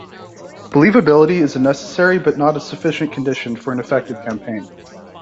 Believability is a necessary but not a sufficient condition for an effective campaign.